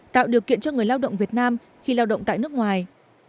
tạo điều kiện cho người lao động việt nam khi lao động tại nước ngoài